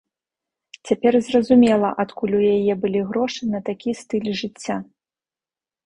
Цяпер зразумела, адкуль у яе былі грошы на такі стыль жыцця.